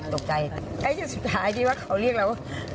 ก็ที่สุดท้ายที่เขาเรียกเรา